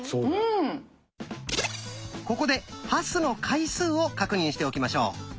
ここでパスの回数を確認しておきましょう。